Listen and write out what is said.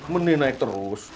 mending naik terus